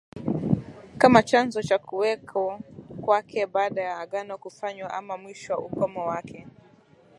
kama chanzo cha kuweko kwake baada ya Agano kufanywa ama Mwisho na ukomo wake